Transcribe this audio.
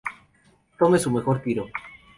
Tome su mejor tiro.